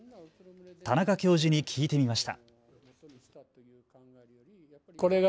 田中教授に聞いてみました。